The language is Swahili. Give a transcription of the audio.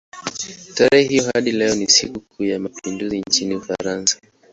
Tarehe hiyo hadi leo ni sikukuu ya mapinduzi nchini Ufaransa.